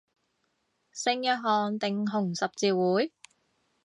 聖約翰定紅十字會